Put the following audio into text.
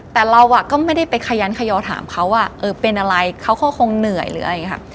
แต่เราก็ไม่ได้ไปขยันขยอถามเขาเป็นอะไรอ่ะเขาคงเหนื่อยอะไรอย่างนี้ค่ะ